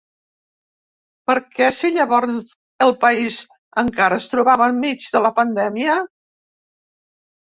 Per què, si llavors el país encara es trobava enmig de la pandèmia?